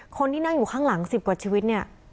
คนที่นั่งอยู่ข้างหลัง๑๐กว่าชีวิตเนี่ย